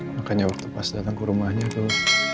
makanya waktu pas datang ke rumahnya tuh